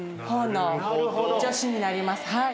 ほうの女子になります。